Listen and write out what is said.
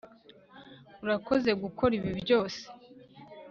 Urakoze gukora ibi byose